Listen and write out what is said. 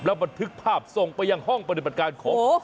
บันทึกภาพส่งไปยังห้องปฏิบัติการของ